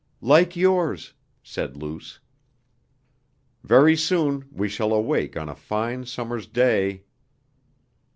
"Like yours," said Luce. "Very soon we shall awake on a fine summer's day...."